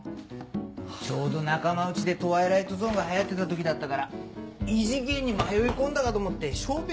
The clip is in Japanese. ちょうど仲間内で『トワイライトゾーン』が流行ってた時だったから異次元に迷い込んだかと思って小便